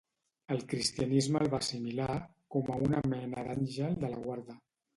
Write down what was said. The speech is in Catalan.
El cristianisme el va assimilar com a una mena d'àngel de la guarda.